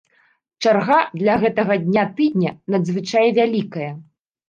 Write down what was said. Чарга для гэтага дня тыдня надзвычай вялікая.